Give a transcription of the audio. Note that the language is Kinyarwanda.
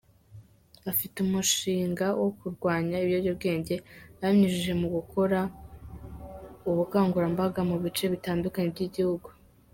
Afite umushinga wo kurwanya ibiyobyabwenge abinyujije mu gukora ubukangurambaga mu bice bitandukanye by’Igihugu.